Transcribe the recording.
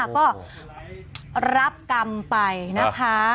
ก็รับกรรมไปนะคะ